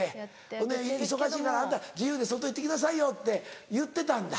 ほんで忙しいから「あんた自由に外行って来なさいよ」って言ってたんだ。